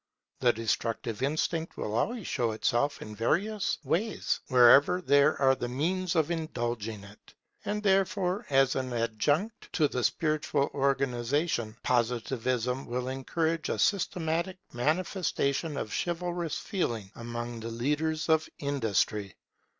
The destructive instinct will always show itself in various ways, wherever there are the means of indulging it. And therefore as an adjunct to the spiritual organization, Positivism will encourage a systematic manifestation of chivalrous feeling among the leaders of industry.